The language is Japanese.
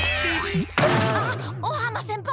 あっ尾浜先輩！